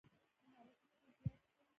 مهارتونه مو زیات کړئ